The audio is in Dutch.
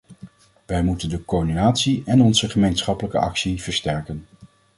Wij moeten de coördinatie en onze gemeenschappelijke actie versterken.